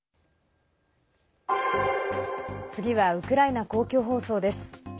次はウクライナ公共放送です。